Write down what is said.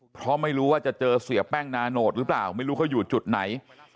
เพราะไม่รู้ว่าจะเจอเสียแป้งนาโนตหรือเปล่าไม่รู้เขาอยู่จุดไหน